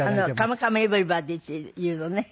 『カムカムエヴリバディ』っていうのね。